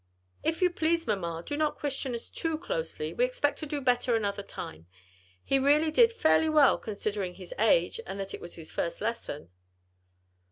"If you please, mamma, do not question us too closely; we expect to do better another time. He really did fairly well considering his age and that it was his first lesson."